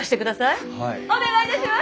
お願いいたします！